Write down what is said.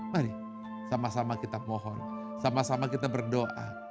mari sama sama kita mohon sama sama kita berdoa